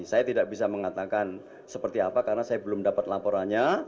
saya tidak bisa mengatakan seperti apa karena saya belum dapat laporannya